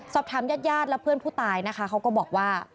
สอบถามญาติญาติและเพื่อนผู้ตายนะคะเขาก็บอกว่า